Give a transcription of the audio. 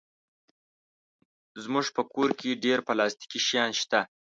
زموږ په کور کې ډېر پلاستيکي شیان شته.